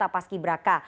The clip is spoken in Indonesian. anggota paski braka